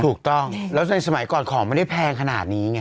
ถูกต้องแล้วในสมัยก่อนของไม่ได้แพงขนาดนี้ไง